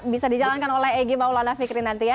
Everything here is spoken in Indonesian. bisa dijalankan oleh egy maulana fikri nanti ya